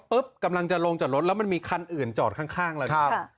ปุ๊บกำลังจะลงจอดรถแล้วมันมีคันอื่นจอดข้างเล่าอย่างนี้